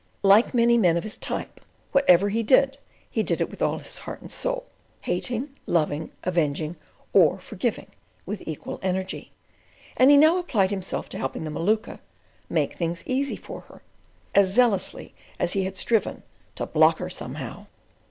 Like many men of his type, whatever he did he did it with all his heart and soul—hating, loving, avenging, or forgiving with equal energy; and he now applied himself to helping the Maluka "make things easy for her," as zealously as he had striven to "block her somehow."